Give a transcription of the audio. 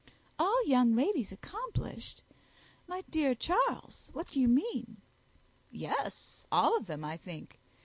"All young ladies accomplished! My dear Charles, what do you mean?" "Yes, all of them, I think.